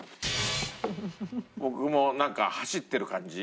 僕もなんか走ってる感じ。